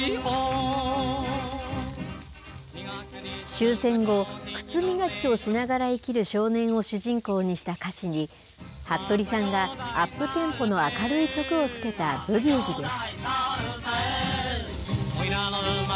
終戦後、靴磨きをしながら生きる少年を主人公にした歌詞に服部さんがアップテンポの明るい曲をつけたブギウギです。